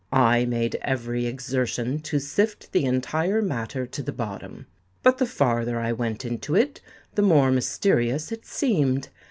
"I made every exertion to sift the entire matter to the bottom; but the farther I went into it, the more mysterious it seemed.